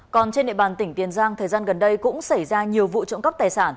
còn trên địa bàn tỉnh tiền giang thời gian gần đây cũng xảy ra nhiều vụ trộm cắp tài sản